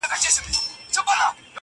• روهیلۍ د روهستان مي څه ښه برېښي..